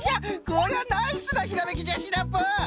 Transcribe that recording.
こりゃナイスなひらめきじゃシナプー！